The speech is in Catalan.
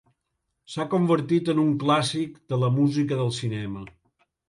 S'ha convertit en un clàssic de la música del cinema.